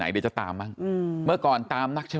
แล้วถ้าคุณชุวิตไม่ออกมาเป็นเรื่องกลุ่มมาเฟียร์จีน